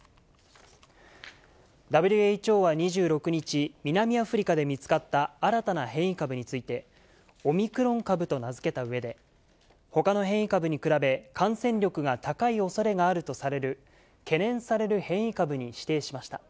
ＷＨＯは２６日、南アフリカで見つかった新たな変異株について、オミクロン株と名付けたうえで、ほかの変異株に比べ、感染力が高いおそれがあるとされる、懸念される変異株に指定しました。